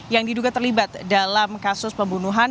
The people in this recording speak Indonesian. yang diduga terlibat dalam kasus pembunuhan